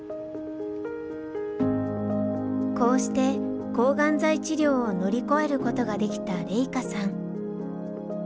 こうして抗がん剤治療を乗り越えることができたレイカさん。